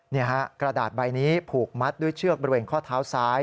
นี่ฮะกระดาษใบนี้ผูกมัดด้วยเชือกบริเวณข้อเท้าซ้าย